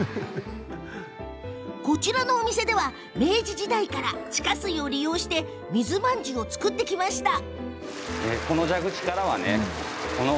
こちらのお店では明治時代から地下水を利用して水まんじゅうを作ってきました。